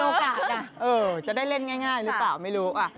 จะได้เล่นง่ายหรือเปล่าไม่รู้